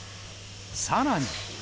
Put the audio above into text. さらに。